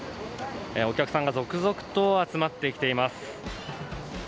お客さんが続々と集まってきています。